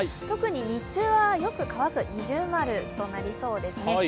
特に日中はよく乾く◎となりそうですね。